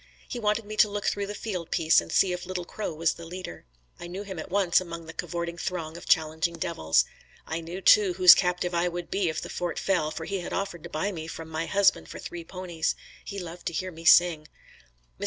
He wanted me to look through the field piece and see if Little Crow was the leader. I knew him at once among the cavorting throng of challenging devils. I knew too, whose captive I would be if the fort fell, for he had offered to buy me from my husband for three ponies. He loved so to hear me sing. Mr.